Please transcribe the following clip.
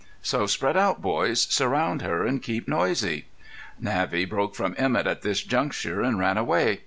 So spread out, boys; surround her and keep noisy." Navvy broke from Emett at this juncture and ran away.